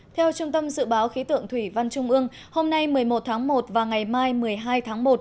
theo trung tâm dự báo khí tượng thủy văn trung ương hôm nay một mươi một tháng một và ngày mai một mươi hai tháng một